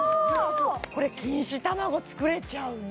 これ錦糸卵作れちゃうね